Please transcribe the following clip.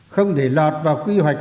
không để lọt vào quy hoạch